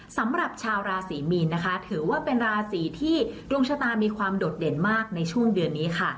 สำหรับชาวราศรีมีนนะคะถือว่าเป็นราศีที่ดวงชะตามีความโดดเด่นมากในช่วงเดือนนี้ค่ะ